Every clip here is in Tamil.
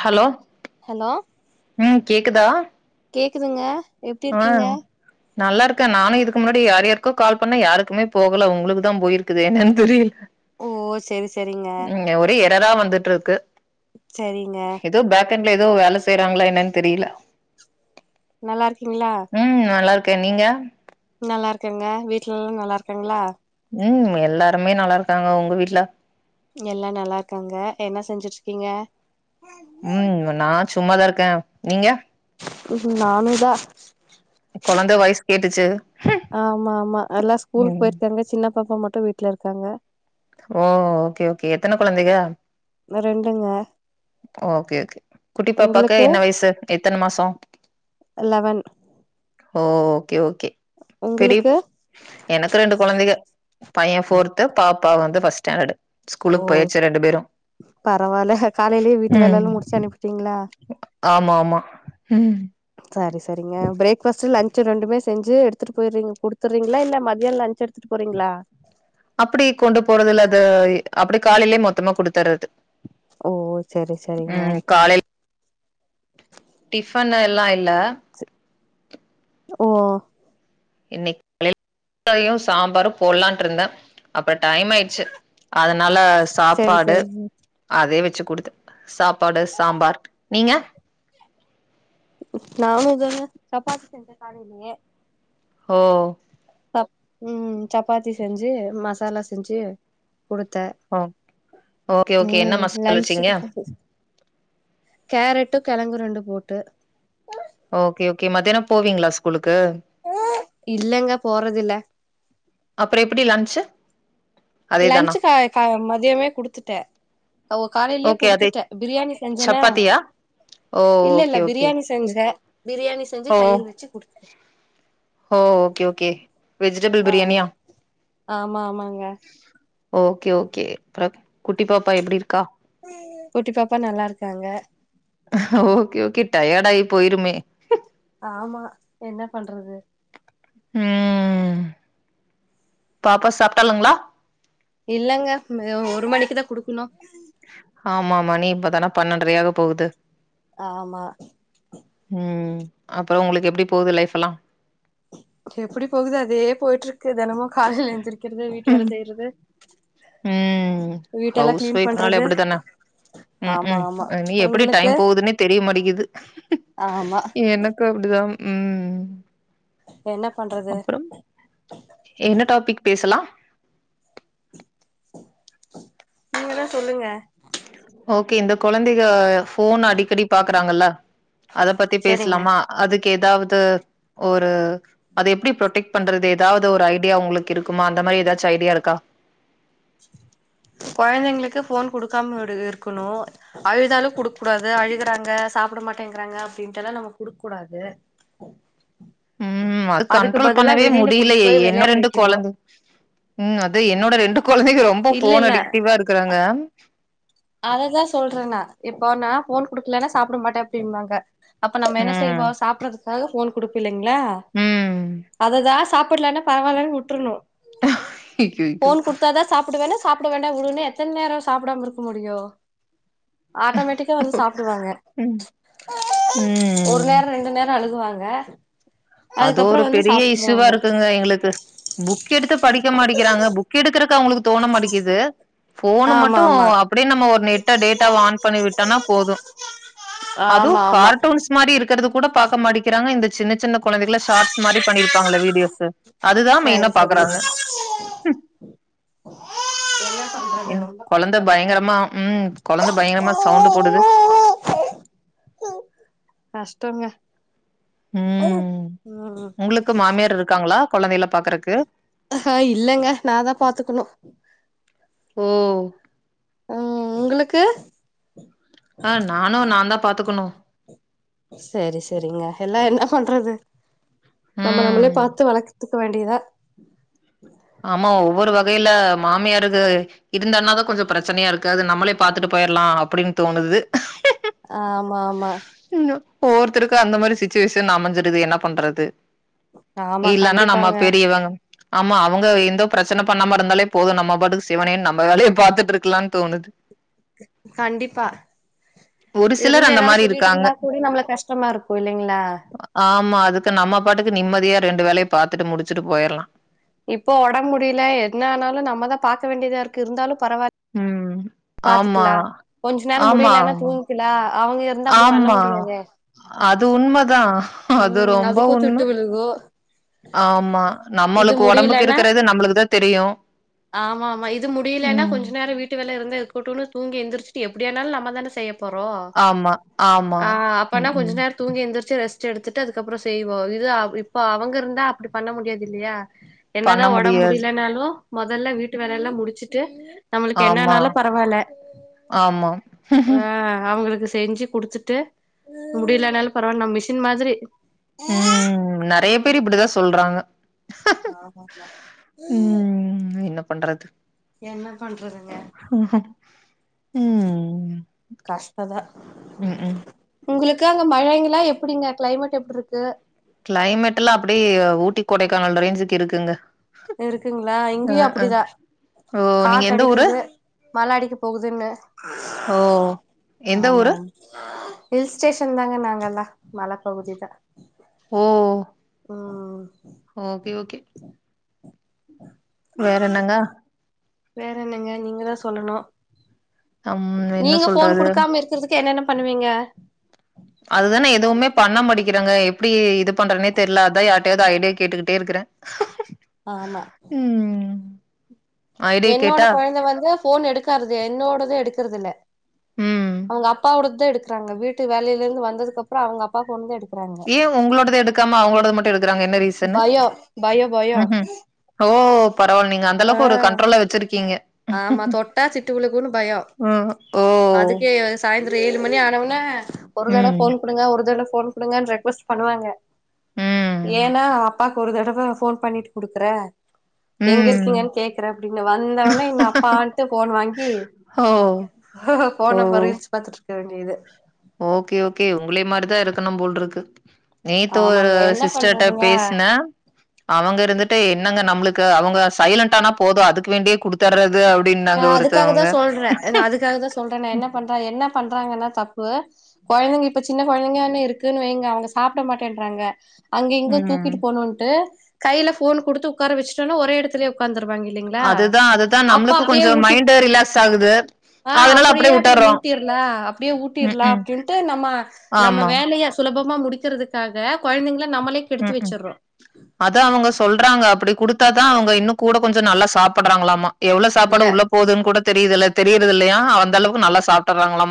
ஹலோ ஹலோ ம் கேக்குதா கேட்குதுங்க எப்படி ஆ இருக்கீங்க நல்லா இருக்கே நானு இதுக்கு முன்னாடி யார் யாருக்கோ கால் பண்ணே யாருக்குமே போகல உங்களுக்குதா போயிருக்குது என்னன்னு தெரியல ஓ செரி செரிங்க [unintelligible] வந்துட்ருக்கு சரிங்க கிச்சன்ல ஏதோ வேலை செய்யறாங்களா என்னன்னு தெரியல நல்லா இருக்கீங்களா ம் நல்லா நீங்க நல்லா இருக்கங்க வீட்ல எல்லா நல்லா இருக்காங்களா உம் எல்லாருமே நல்லா இருக்காங்க உங்க வீட்ல எல்லா நல்லா இருக்காங்க என்ன செஞ்சுட்ருக்கீங்க உம் நான் சும்மாதா இருக்கே நீங்க உம் நானும்தா குழந்த வாஸ் கேட்டுச்சு ஆமா ஆமா எல்லா ஸ்கூலுக்கு ம் போயிருக்காங்க சின்னப்பாப்பா மட்டு வீட்ல இருக் க்காங்கோ ஓ ஓகே ஓகே எத்தனை குழந்தைங்க ரெண்டுங்க ஓகே ஓகே குட்டி பாப்பாக்கு உங்களுக்கு என்ன வயசு [unintelligible] எத்தன மாசம் லெவன் ஓ ஓகே ஓகே பெரியப் உங்களுக்கு எனக்கு ரெண்டு கெழந்தங்க பையன் போர்த்து பாப்பா வந்து பஸ்டன்டாடு ஓ பரவல காலயிலே வி வீட்டு ம் வேலயிலாம் முடிச்சி அனுபிடீங்களா ஆமா ஆமா ம் சரி சரிங்க பிரேக்ஃபாஸ்ட் லன்சு ரெண்டுமே செஞ்சி எடுத்துட்டுபோயிறீங்க குடுத்திறீங்களா இல்ல மதியாம்லஞ்ன்ச் எடுத்துட்டு போறீங்களா அப்படி கொண்டு போறது இல்ல அது அப்படி காலையிலயே மொத்தமா கொடுத்துறது ஓ செரி செரிங்க உம் காலயில டிஃபனு அப்டியால இல்ல ஓ இன்னக்கு காலயிலையும் சாம்பாரு போடலான்ட்டு இருந்தேன் அப்ப இப்ப டைம்ஆயிடுச்சு அதனால செரி சாப்பாடு செரிங்க அதே வச்சு கொடுத்து சாப்பாடு சாம்பார் நீங்க நானும் இதங்க சப்பாத்தி செஞ்சே காலயிலே ஓவ் ச உம் சப்பாத்தி செஞ்சு மசாலா செஞ்சு குடுத்தே ஓ ஓகே ஓகே என்ன ம் மசால வச்சீங்க லன்ச்சுக்கு கேரட்டு கிழங்கு ரெண்டு போட்டு போவிங்களா ஸ்கூலுக்கு இல்லங்க போறதில்ல அப்பற எப்டி லஞ்ச்சு லன்ச்சு கா மதியமே குடுத்துட்டேன் அவ காலயிலே ஓகே அதே குடுத்துட்டேன் பிரியாணி செஞ்சேனே சப்பாத்தியா? ஓ! இல்ல இல்ல ஓகே, ஓகே. பிரியாணி செஞ்சேன் ஓ கும் ஓகே ஓகே வெஜிடபிள் ஆமா பிரியாணியா? ஆமா ஆமாங்க ஓகே ஓகே அப்றம் குட்டி பாப்பா எப்டி இருக்கா குட்டி பாப்பா நல்லா இருக்காங்க ஓகே ஓகே டயாடயி போயிடுமே ஆமா என்ன பண்றது உம் பாப்பா சாப்டலுங்களா இல்லாங்க ஒரு மணிக்குதான் குடுக்கணும் ஆமா மணி இப்தானே பன்னெண்டரயாக போகுது ஆமா அப்பறோம் உங்களுக்கு எப்டி போகுது லைஃப் எல்லாம் எப்டி போகுது அதே போயிட்டு இருக்கு தினமும் காலயில எழுந்திரிக் உம் வீட்டெல்லா ஹவுஸ் கிளீன் ஒயிப்னாலே பண்றது அப்டித்தானே உம் ஆமா உம் ஆமா நீ எப்டி உங்களுக்கு டைம் போகுதுன்னே தெரியமாடிக்குது அது ஆமா கும் எனக்கும் அப்டிதான் உம் என்ன பண்றது என்ன டாபிக் பேசலாம் நீங்க தான் சொல்லுங்க ஓகே இந்த கெழந்தைக போன் அடிக்கடி பாக்குறாங்கள அதை பத்தி செரிங்க பேசலாமா அதுக்கு ஏதாவது ஒரு அதை எப்படி ப்ரொடெக்ட் பண்றது ஏதாவது ஒரு ஐடியா உங்களுக்கு இருக்குமா அந்த மாதிரி ஏதாச்சும் ஐடியா இருக்கா குழந்தைங்களுக்கு போன் குடுக்காம இருக்குணும் அழுதாலும் குடுக் டாது அழுகறாங்க சாப்பிட மாட்டேங்கிறாங்க அப்டின்ட்டுல்லாம் நம்ம குடுக்கக் கூடாது ம் அது அதுக்கு கண்ட்ரோல் பதிலா பண்ணவே வெளியில முடியல கூட்டிட்டு போய் என் வெளையாட ரெண்டு வைக்கணு கொழந்த ம் அது என்னோட ரெண்டு கொழந்தங்க ரொம்ப இல்ல போன் அடிக்டிவா இருக்றாங்க அததான் சொல்றே நான் இப்போ நான் போன் குடுக்கலன்னா சாப்பிட மாட்டேன் அப்படின்றங்க அப்ப நம்ம என்ன செய்வோ ம் சாப்பிடற நாக போன் குடுப்பில்லை ங்களா ம் அததான் சாப் பிடல்லான பரவாலன்னு வுட்ருணும் ஐயையோ போன் குடுத்தாதான் சாப்பிடுவேன் சாப்பிட வேண்டா விடுனு எத்தனை நேரம் சாப்பிடாம இருக்கு முடியோ ஆட்டோமேட்டிக்கா வந்து சாப்பிடுவாங்க ம் ஒரு நேரம் ரெண்டு நேரம் அழுகுவாங்க ஆஹ [unintelligible] அதோ ஒரு பெரிய இஷூுவா இருக்குங்க எங்களுக்கு புக் எடுத்து படிக்க மாட்டிகிறாங்க புக் எடு எடுக்கறக்கு அவங்களுக்கு தோணமாட்டிங்குது போனு ஆமா மட்டும் ஆமா அப்படியே நம்ம ஒரு நெட்ட டேட்டாவ ஆன் பண்ணி விட்டோனா போதும் அதுவும் ஆமா ஆமா கார்ட்டூன்ஸ் மாதிரி இருக்கிறது கூட பார்க்க மாட்டக்கிறாங்க இந்த சின்ன குழந்தைகல ஷார்ட்ஸ் மாதிரி பண்ணிருப்பாங்கள வீடியோஸ் அதுதான்ன சரி சரி பாக்குறாங்க என்ன பண்றது இந்த ரொம்ப குழந்த கஷ்டோ பயங்கரமா உம் குழந்த பயங்கரமா சவுண்ட் போடுது த்தங்க உம் உங்களுக்கு மாமியார் இருக்காங்களா குழந்தைல பாக்குறக்கு ஆஹ் இல்ங்க நாதான் பாத்துக்கணும் உம் உஹம் உங்களுக்கு ஆஹ் நானும் நான் தான் பாத்துக்கணும் சரி சரிங்க எல்லாம் என்ன பண்றது நம்ம ம். நம்மளே பார்த்து வளக் பார்த்துக்க வேண்டியதா ஆமா ஒவ்வொரு வகையில மாமியாருக்கு இருந்தனாதான் கொஞ்சம் பிரச்சனையா இருக்கு அது நம்மளே பாத்துட்டு போயிடலாம் அப்டின்னு தோணுது ஆமா ஆமா ஒவ்வொருத்தருக்கும் அந்த மாரி சுவிச்சுவேஷன் அமைஞ்சு றது என்ன பண்றது ஆமா இல்லன்னா நம்ம கண்டிப்பாங்க பெரியவங் ஆமா அவ வுங்க எந்த பிரச்சனை பண்ணாம இருந்தாலே போதும் நம்ம பாட்டுக்கு சிவனேன்னு நம்ம வேலய பாத்துட்டு இருக்கலான்னு தோணுது கண்டிப்பா ஒரு சிலர் இருந்து அந்த ஏதாவது மாரி சொல்லிட்டு இருக்காங்க. இருந்தா கூட நம்மளுக்கு கஷ்டமா இருக்கும் இல்லங்களா ஆமா அதுக்கு நம்ம பாட்டுக்கு நிம்மதியா ரெண்டு வேலய பாத்துட்டு முடிச்சுட்டு போயிறலாம் இப்போ உடம்பு முடியல என்ன ஆனாலும் நம்ம தான் பார்க்க வேண்டியதாக இருக்கு இருந்தாலும் பரவாயில ம் ஆமா. பாத்துக்கலாம் கொஞ்ச நேரம் ஆமா. முடியலன்னா தூங்கிக்கலாம் அவுங்க இருந்தா அப்டி பண்ண ஆமா. முடியாதே அது உண்மதான். அது உஹம் ரொம்ப அதுக்கும் திட்டு உண்ம. விழுகும் ஆமா நம்மளுக்கு உடம்புக்கு முடியலன்னா இருக்கறது நம்மளுக்குதான் தெரியும் ஆமா ஆமா இது முடியலன்னா ம். கொஞ்ச நேரம் வீட்டு வேல இருந்தா இருக்கட்டுனு தூங்கி எழுந்திரிச்சு எப்டியானலும் நம்ம தானே செய்ய போறோம் ஆமா, ஆமா. ஆ அப்னா ம், கொஞ்ச ம். நேரம் தூங்கி எந்திரிச்சு ரெஸ்ட் எடுத்துட்டு அதுக்கப்புறம் செய்வோம் இது இப்ப அவுங்க இருந்தா அப்டி பண்ண முடியாது இல்லையா பண்ண என்னதான் உடம்பு முடியாது. முடியலனாலும் முதல்ல வீட்டு வேல‌ எல்லாம் முடிச்சுட்டு நம்மளுக்கு ஆமா, என்னனாலும் பரவால ஆமா. ஆ அவுங்களுக்கு செஞ்சு குடுத்துட்டு முடியலனாலும் பரவாயில்ல நம் மிஷின் மாதிரி உம் நிறைய ம் பேரு இப்டிதான் சொல்றாங்க ஆமா ஆமா ஹஹ ம். என்ன பண்றது என்ன பண்றதுங்க ம். கஷ்டம்தான் ம்ஹ்ம். உங்களுக்கு இருக்காங்க மழைங்கெல்லாம் எப்படிங்க கிளைமேட் எப்படி இருக்கு கிளைமேட் எல்லாம் அப்டியே ஊட்டி கொடைக்கானல் ரேஞ்சுக்கு இருக்குங்க இருக்குங்களா இங்கயும் அஹ. அப்டிதான் ஓ! நீங்க காத்து எந்த ஊரு? அடிக்குது மழை அடிக்க போகுதுன்னு ஓ! எந்த ஆமா ஆமா ஊரு? இல் ஸ்டேஷன் தாங்க நாங்கெல்லா மலை பகுதி தான் ஓ உம் ஓகே ஓகே வேற என்னங்க வேற என்னங்க நீங்க தான் சொல்லணும் அம் என்ன நீங்க போன் சொல்றது குடுக்காம இருக்கிறதுக்கு என்னென்ன பண்ணுவீங்க அதுதானே எதுவுமே பண்ண முடி இருறாங்க எப்டி இது பண்தூனே தெரியல அத [inaudible] ஐடியா கேட்டுக்கிட்டே இருக்கிறேன் ஆமா ஐடியா என்னோட கேட்டா குழந்த வந்து போன் எடுக்கதது என்னோடத எடுக்க க்குறதில ம் அவங்க அப்பா ஓடாத எடுத்து இருக்காங்க வீட்டு வேலயில இருந்து வந்தது அப்பறம் அவங்க அப்பாக்கு வந்து எடுக்க ஏய் உங்களோடத எடுக்காம அவங்களோட மட் எடுக்கறாங்க என்ன ரீசன் பயோ பயோ பயோ [inaudible] ஓ பரவாயலிங்க ஆ அந்தளவுக்கு ஒரு கண்ட்ரோல்ல வச்சிருக்கீங்க ஆமா தொட்டா சிட்டு விழுக்குன்னு பயம் ம் ஓ அதுக்கே ஆயந்திரம் ஏழு மணி ஆனவுனா ஒரு தட ம் போன் கொடுங்க ஒரு தட போன் கொடுங்கு ரெஃஉஎஸ்ட்டு பண்ணுவாங்க ம் ஏன்னா அப்பாக்கு ஒரு தடவ போன் பண்ணிட்டு குடுக்குற எங்க ம் இருக்கீங்கன்னு கேக்குறேன் அப்படின்னு வந்தவனே அப்பாட்டு போன் வாங்கி ஓ போன ஓ பகரீல்ஸ் பாருத்துட்டு வேண்டியது ஓகே ஓகே உங்களே மாரிதான் இருக்கணும் போல்ன்றுக்கு நேத்து ஒரு ஆமாங்க என்ன சிஸ்டர்ட்ட பண்றதுங்க பேசின அவங்க இருந்துட்டு என்னங்க நம்மளுக்கு அவங்க சைலன்ட் ஆன போதும் அதுக்கு வேண்டிய கொடுத்தர்றது அப்டி நான் அதுக்காக தான் சொல்றேன் அதுக்காக தான் சொல்றேன் நான் என்ன பண்றேன் என்ன பண்றாங்கன்னா தப்பு குழந்தைங்க இப்ப சின்ன [inaudible] கெழந்தைங்கான இருக்குன்னு வைங்க அவங்க சாப்பட மாட்டேன்றாங்க அங்க இங்க ம். தூக்கிட்டு போனோன்ட்டு கையில போன் குடுத்து உடக்கார வச்சட்டன ஒர இடத்துலய உட்காந் அதுதான் அதுதான் நம்மளுக்கு அப்டியே கொஞ்சம் ஊட்டி மைண்ட் ரிலாக்ஸ் ஆகுது. ஆ அதனால அப்டியே அப்டியே விட்டர்றோம். ஊட்டிடல அப்டியே ஊட்டிடலாம் ம்ஹ்ம். அப்டின்னுட்டு நம்ம நம்ம ஆமா. வேலய [inaudible] இலபமா முடிக்கிறதுக்காக கெழந்தைங்கள ம் ம் அத அவங்க சொல்றாங்க அப்டி குடுத்து அவங்க தான் இன்னும் கூட கொஞ்சம் நல்லா சாப்படறாங்களாமா எவ்வள இல்ல சாப்பாடு உள்ள போகுதுன்ன கூட தெரிதுல தெரியுது இல்லயா அந்த அளவுக்கு நல்லாசாப்டுறாங்களா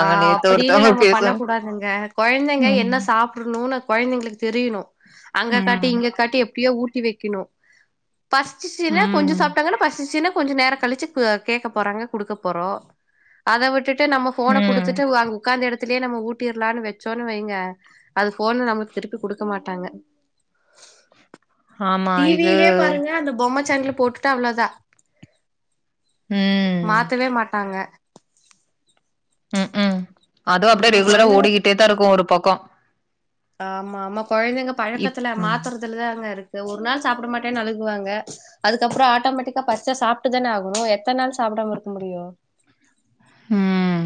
ஆ அப்டின்னு நம்ம பண்ண கூடாதுங்க கெழந்தைங்க ம். என்ன சாப்படணும்னு கெழந்தைங்களுக்கு தெரியணும் அங்க காட்டி ம். இங்க காட்டி எப்டியோ ஊட்டு உட்டி வைக்கணும் பசு சீன கொஞ்சம் ம். சாப்பட்டாங்கான பசு சீன கொஞ்சம் நேரம் கழிச்சு கேட்க போறாங்க கொடுக்க போறோம் அத விட்டுட்டு நான் போனை ம். கொடுத்துட்டு உ உடக்காந்து எடுத்து அங் நம்ம ஊட்டிடலாம்னு வச்சோன்னு வைங்க அது போன் நமக்கு திருப்பி கொடுக்க மாட்டாங்க ஆமா இது டிவிலயே பாருங்க அந்த பொம்மை சேனல் போட்டுட்டா அவ்வளதான் ம். மாத்தவே மாட்டாங்க ஹம் ஹம் அதுவும் அப்டியே ம் ரெகுலரா கொழந்தை ஓடிக்கிட்டே தான் இருக்கும் ஒரு பக்கம் கோக் ஆமா ஆமா கெழந்தைங்க பழக்கத்தல ம் மாற்றுறதுல தான் அங்கே இருக் ஒரு நாள் சாப்பட மாட்டேன்னு அழுகுவாங்க அதுக்கப்பறம் ஆட்டோமேட்டிக்கா பசிச்சா சாப்பட்டு தானே ஆகணும் எத்தனை நாள் சாப்படாம இருக்க முடியும் ம்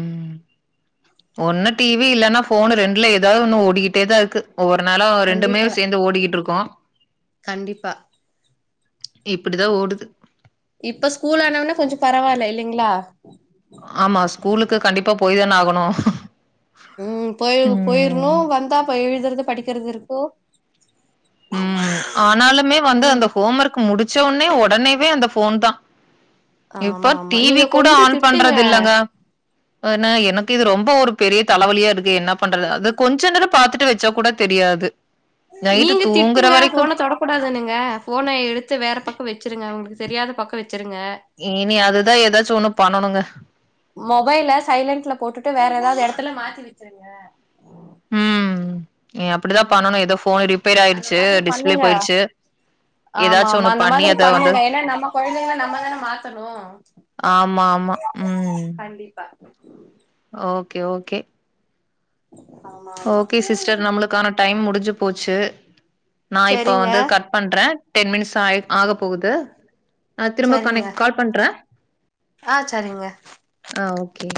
ஒன்னு டிவி இல்லன்னா போன் ரெண்டுல ஏதாவது ஒன்னு ஓடிக்கிட்டே தா இருக்கு ஒவ்வொரு நாளும் இரண்டுமே கண்டிப்பா சேர்ந்து ஓடிக்கிட்டு இருக்கோம் கண்டிப்பா இப்டிதான் ஓடுது இப்ப ஸ்கூல் ஆனவனா கொஞ்சம் பரவாயில்ல இல்லங்களா ஆகணும் ம் போய் போயிரணும் வந்தாப்ப எழுதுறது படிக்க [inaudible] ருக்கோ ம் ஆனாலுமே வந்து ம் அந்த ஹோம் ஒர்க் முடி பச்ச உடனே உடனேவே அந்த போன் தான் இப்போ ஆமா ஆமா டிவி நீங்க கூட கொஞ்சோ ஆன் திட்டுங்க பண்றது இல்லங்க ஆனா எனக்கு இது ரொம்ப ஒரு பெரிய தலைவலியா இருக்கு என்ன பண்றது அது கொஞ்ச நேரம் பாத்துட்டு வச்சா கூட னைட்டு நீங்க திட்டுங்க போனை தொடக்கூடாதுன்னுங்க போனை எடுத்து வேற பக்கம் வச்சுருங்க அவங்களுக்கு தெரியாத பக்கம் வச் வச்சுருங்க இனி அதுதான் ஏதாச்சும் ஒண்ணு பண்ணணுங்க. மொபைல சைலன்ட்ல போட்டுட்டு வேற ஏதாவது இடத்து செல்ல மாத்தி வச்சருங்க உ ஹும் ம் அந்த ஆயிடுச்சு, மாரி டிஸ்பிளே பண்ணுங்க போயிருச்சு. ஆமா ஏதாச்சும் ஆமா ஒண்ணு அந்த பண்ணி மாரி அத வந்து பண்ணுங்க ஏன்னா நம்ம கெழந்தைங்கள நம்மதானே மாத்தணும் ஆமா ஆமா. கண்டிப்பா ஓக்கே ஓக்கே ஆமா ஆமா ஓகே சிஸ்டர் நம்மளுக்கான டைம் முடிஞ்சு போச் ச்சு நான் இப்ப செரிங்க வந்து கட் பண்றேன் டென் மினிட்ஸ் ஆய் ஆக போகுது ஆஹ திரும்ப செரிங்க கனைட் கால் பண்றேன் ஆ செரிங்க ஆஹ் ஓகே